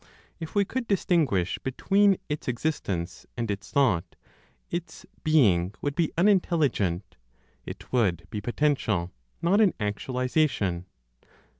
If we could distinguish between its existence and its thought, its "being" would be unintelligent; it would be potential, not in actualization.